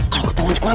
kalau ke taman sekolah